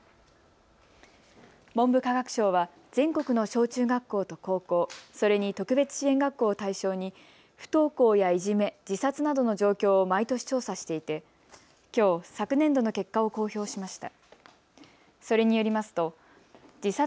文部科学省は全国の小中学校と高校、それに特別支援学校を対象に不登校やいじめ、自殺などの状況を毎年、調査していてきょう昨年度の結果を公表しました。